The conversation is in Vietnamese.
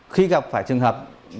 khi gặp phải trường hợp